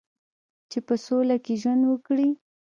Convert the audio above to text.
چې په سوله کې ژوند وکړي.